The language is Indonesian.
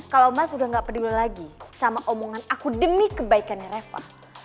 kalau mas udah gak peduli lagi sama omongan aku demi kebaikannya reva